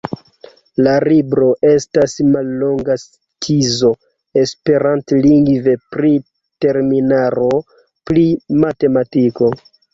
La libro estas mallonga skizo esperantlingve pri terminaro pri matematiko.